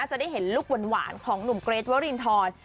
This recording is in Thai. จะได้เห็นลูกหวานของหนุ่มเกรทวรินทร